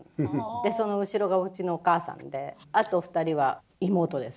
でその後ろがうちのお母さんであと２人は妹です。